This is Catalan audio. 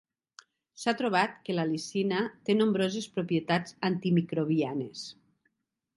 S'ha trobat que l'al·licina té nombroses propietats antimicrobianes.